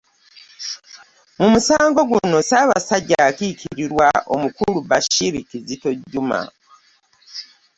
Mu musango guno, Ssaabasajja akiikirirwa Omukulu Bashir Kizito Juma.